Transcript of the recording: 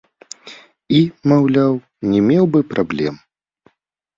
І, маўляў, не меў бы праблем.